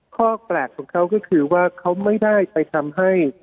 ข้อแปลกของเขาก็คือว่าเขาไม่ได้ไปทำให้